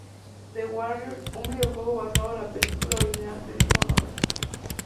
The Warriors, un videojuego basado la película original del mismo nombre.